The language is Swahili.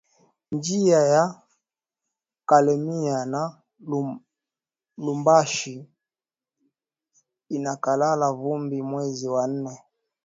Njiya ya kalemie na lubumbashi inaikalaka vumbi mwezi wa nane